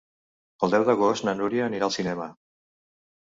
El deu d'agost na Núria anirà al cinema.